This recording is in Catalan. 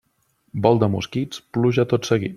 Vol de mosquits, pluja tot seguit.